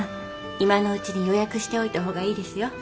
今のうちに予約しておいた方がいいですよ。